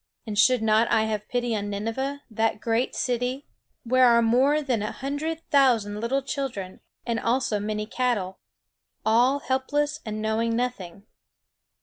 And should not I have pity on Nineveh, that great city, where are more than a hundred thousand little children, and also many cattle, all helpless and knowing nothing?"